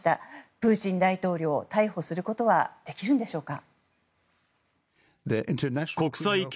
プーチン大統領を逮捕することはできるんでしょうか。